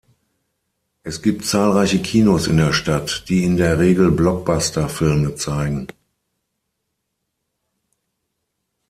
Es gibt zahlreiche Kinos in der Stadt, die in der Regel Blockbuster-Filme zeigen.